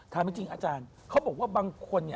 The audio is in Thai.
ถามจริงอาจารย์เขาบอกว่าบางคน